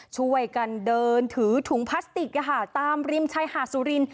ช่วยกันเดินถือถุงพลาสติกตามริมชายหาดสุริน